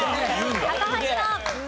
高橋さん。